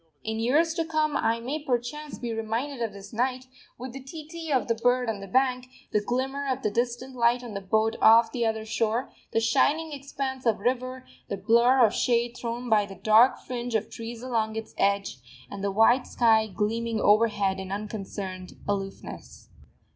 In years to come I may perchance be reminded of this night, with the tee tee of the bird on the bank, the glimmer of the distant light on the boat off the other shore, the shining expanse of river, the blur of shade thrown by the dark fringe of trees along its edge, and the white sky gleaming overhead in unconcerned aloofness.